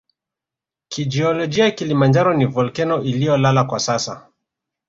Kijiolojia Kilimanjaro ni volkeno iliyolala kwa sasa